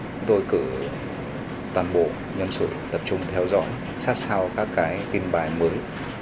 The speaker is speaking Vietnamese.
chúng tôi cử toàn bộ nhân sự tập trung theo dõi sát sao các tin bài mới